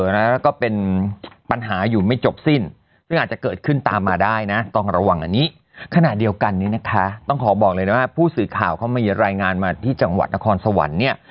แล้วก็เป็นปัญหาอยู่ไม่จบสิ้นซึ่งอาจจะเกิดขึ้นตามมาได้นะต้องระวังอันนี้ขณะเดียวกันนี้นะคะต้องขอบอกเลยนะว่าผู้สื่อข่าวเขามีรายงานมาที่จังหวัดนครสวรรค์เนี่ย